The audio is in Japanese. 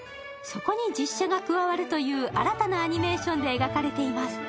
そこに実写が加わるという新たなアニメーションで描かれています。